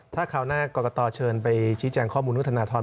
ถ้าข้าวหน้ากอกกะตอเชิญไปชี้แจงข้อมูลเรื่องธนทร